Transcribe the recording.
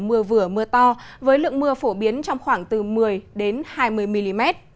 mưa vừa mưa to với lượng mưa phổ biến trong khoảng từ một mươi hai mươi mm